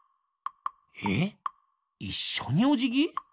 えっいっしょにおじぎ！？